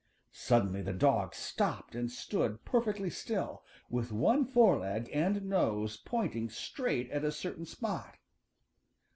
Suddenly the dog stopped and stood perfectly still, with one foreleg and nose pointing straight at a certain spot.